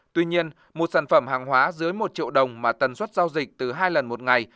tuy nhiên một sản phẩm hàng hóa dưới một triệu đồng mà tần suất giao dịch từ hai lần một ngày